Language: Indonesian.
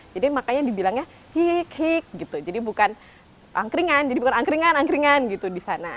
jadi makanya dibilangnya hik hik gitu jadi bukan angkringan jadi bukan angkringan angkringan gitu di sana